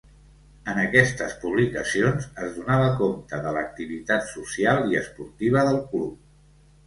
En aquestes publicacions es donava compte de l’activitat social i esportiva del club.